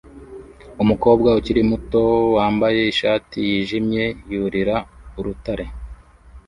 Umukobwa ukiri muto wambaye ishati yijimye yurira urutare